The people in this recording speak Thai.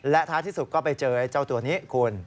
และท้ายที่สุดก็ไปเจอเจ้าตัวนี้คุณ